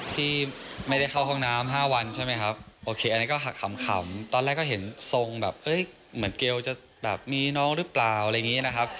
ที่ไม่ได้เข้าห้องน้ำ๕วันใช่ไหมครับโอเคอันนี้ก็หักขำตอนแรกก็เห็นทรงแบบเหมือนเกลจะแบบมีน้องหรือเปล่าอะไรอย่างนี้นะครับ